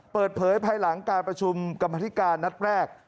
เปิดเผยภายหลังการประชุมกรรมธิการนัดแรก